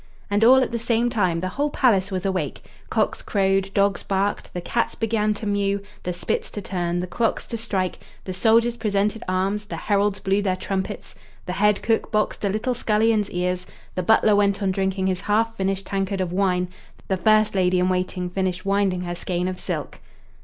And, all at the same time, the whole palace was awake. Cocks crowed, dogs barked, the cats began to mew, the spits to turn, the clocks to strike, the soldiers presented arms, the heralds blew their trumpets, the head cook boxed a little scullion's ears, the butler went on drinking his half finished tankard of wine, the first lady in waiting finished winding her skein of silk.